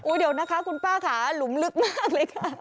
เดี๋ยวนะคะคุณป้าค่ะหลุมลึกมากเลยค่ะ